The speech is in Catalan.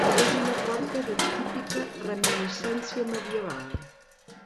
És una porta de típica reminiscència medieval.